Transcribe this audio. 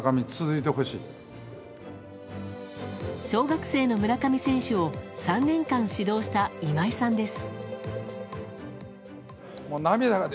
小学生の村上選手を３年間指導した今井さんです。